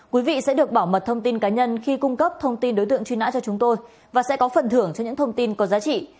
quý vị sẽ được bảo mật thông tin cá nhân khi cung cấp thông tin đối tượng truy nã cho chúng tôi và sẽ có phần thưởng cho những thông tin có giá trị